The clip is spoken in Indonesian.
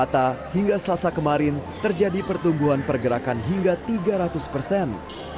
di masa kemarin terjadi pertumbuhan pergerakan hingga tiga ratus persen